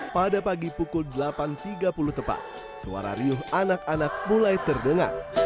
pada pagi pukul delapan tiga puluh tepat suara riuh anak anak mulai terdengar